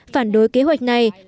phản đối kế hoạch này